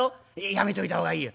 やめといた方がいいよ」。